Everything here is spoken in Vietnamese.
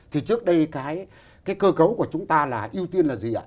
thì trước đây cái cơ cấu của chúng ta là ưu tiên là gì ạ